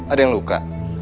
ada yang luka